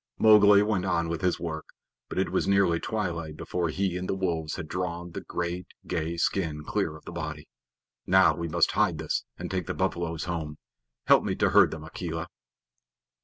Mowgli went on with his work, but it was nearly twilight before he and the wolves had drawn the great gay skin clear of the body. "Now we must hide this and take the buffaloes home! Help me to herd them, Akela."